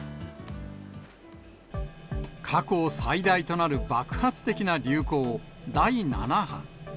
過去最大となる爆発的な流行、第７波。